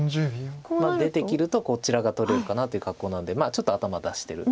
出て切るとこちらが取れるかなという格好なんでちょっと頭出してる。